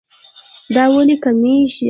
دا ولې کميږي